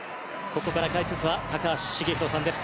ここから解説は高橋繁浩さんです。